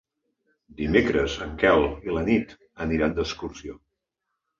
Dimecres en Quel i na Nit aniran d'excursió.